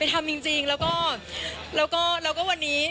ไปทำจริงแล้วก็แล้วก็แล้วก็วันนี้